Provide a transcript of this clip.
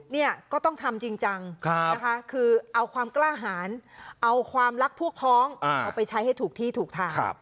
เนี่ยก็ต้องทำจริงจังนะคะคือเอาความกล้าหารเอาความรักพวกพ้องเอาไปใช้ให้ถูกที่ถูกทาง